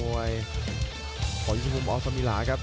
วิชิภคุมอสลมีราครับ